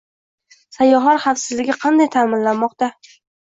Sayyohlar xavfsizligi qanday ta’minlanmoqda?